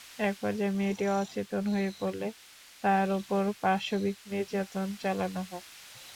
একপর্যায়ে মেয়েটি অচেতন হয়ে পড়লে তার ওপর পাশবিক নির্যাতন চালানো হয়।